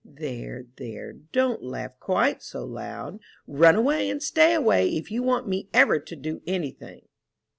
There, there, don't laugh quite so loud. Run away, and stay away, if you want me ever to do any thing."